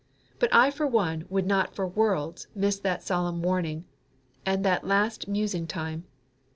But I for one would not for worlds miss that solemn warning, and that last musing time.